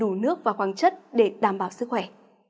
đầy đủ nước và quang chất để đảm bảo sức khỏe